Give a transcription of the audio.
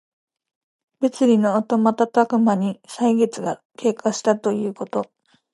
別離のあとまたたくまに歳月が経過したということ。